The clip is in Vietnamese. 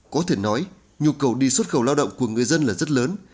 có thể nói nhu cầu đi xuất khẩu lao động của người dân là rất lớn